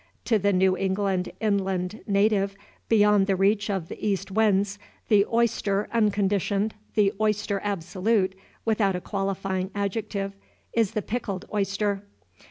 To the New England inland native, beyond the reach of the east winds, the oyster unconditioned, the oyster absolute, without a qualifying adjective, is the pickled oyster.